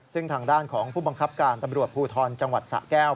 ซึ่งทางด้านของผู้บังคับการตำรวจภูทรจังหวัดสะแก้ว